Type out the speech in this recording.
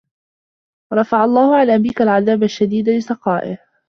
رَفَعَ اللَّهُ عَنْ أَبِيك الْعَذَابَ الشَّدِيدَ لِسَخَائِهِ